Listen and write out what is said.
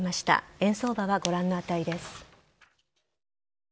円相場はご覧の値です。